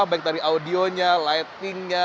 baik dari audionya lightingnya